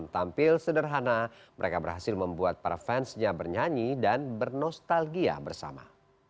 tampil sederhana mereka berhasil membuat para fansnya bernyanyi dan bernostalgia bersama